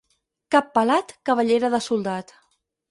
Cap pelat, cabellera de soldat.